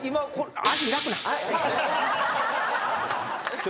はい。